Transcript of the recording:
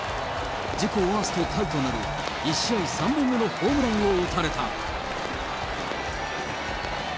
自己ワーストタイとなる１試合３本目のホームランを打たれた。